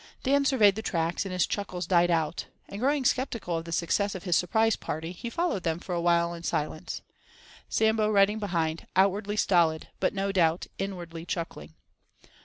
Dan surveyed the tracks, and his chuckles died out, and, growing sceptical of the success of his surprise party, he followed them for a while in silence, Sambo riding behind, outwardly stolid, but no doubt, inwardly chuckling.